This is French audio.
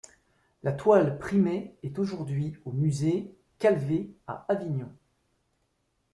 La toile primée est aujourd'hui au musée Calvet à Avignon.